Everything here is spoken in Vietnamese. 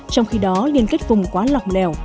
trong khi đó liên kết vùng quá lọc lèo